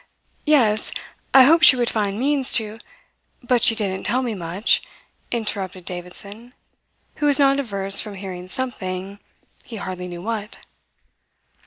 Yes, I hoped she would find means to " "But she didn't tell me much," interrupted Davidson, who was not averse from hearing something he hardly knew what.